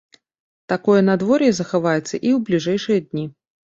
Такое надвор'е захаваецца і ў бліжэйшыя дні.